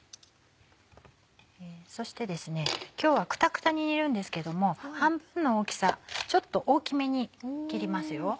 そして今日はクタクタに煮るんですけども半分の大きさちょっと大きめに切りますよ。